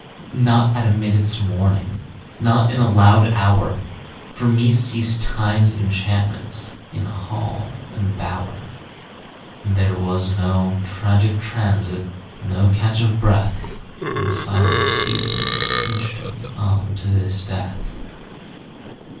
Not at a minute's warning, Not in a loud hour, For me ceased Time's enchantments In hall and bower. There was no tragic transit, No catch of breath, When silent seasons inched me On to this death